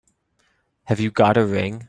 Have you got a ring?